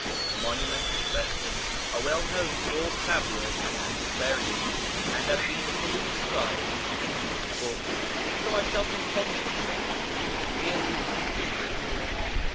The monuments in question are well known to all travellers and antiquarians, and have been fully described in many books, so I shall content myself with merely enumerating them.